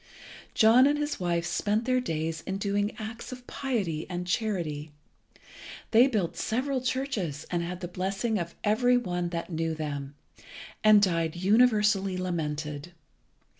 John and his wife spent their days in doing acts of piety and charity. They built several churches, and had the blessing of every one that knew them, and died universally lamented.